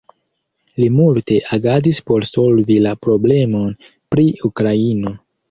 Li multe agadis por solvi la problemon pri Ukraino.